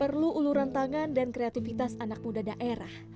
perlu uluran tangan dan kreativitas anak muda daerah